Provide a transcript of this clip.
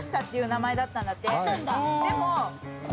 でも。